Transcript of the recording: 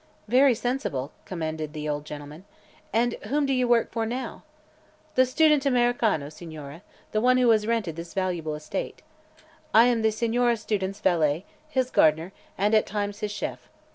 "Very sensible," commented the old gentleman. "And whom do you work for now?" "The student Americano, Signore; the one who has rented this valuable estate. I am the Signore Student's valet, his gardener, and at times his chef.